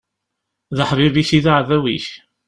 D aḥbib-ik i d aɛdaw-ik.